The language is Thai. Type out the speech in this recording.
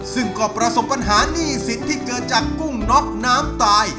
ซึ่งก็ประสบปัญหานี่สิทธิ์ที่เกิดจากกุ้งน็อกน้ำตาย